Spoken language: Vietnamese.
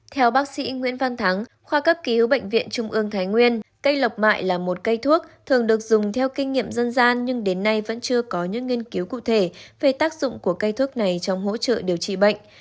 theo bác sĩ nguyễn văn thắng khoa cấp cứu bệnh viện trung ương thái nguyên cây lọc mại là một cây thuốc thường được dùng theo kinh nghiệm dân gian nhưng đến nay vẫn chưa có những nghiên cứu cụ thể về tác dụng của cây thuốc này trong hỗ trợ điều trị bệnh